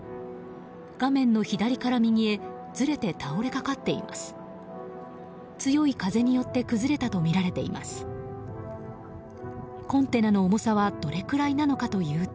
画面の左から右へずれて倒れかかっています。